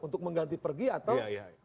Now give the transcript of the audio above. untuk mengganti pergi atau